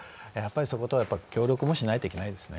そことは協力もしないといけないですね。